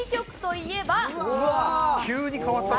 急に変わったな。